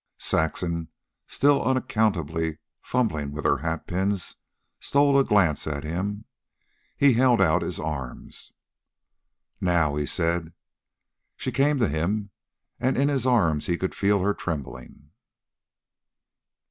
Saxon, still unaccountably fumbling with her hatpins, stole a glance at him. He held out his arms. "Now," he said. She came to him, and in his arms he could feel her trembling.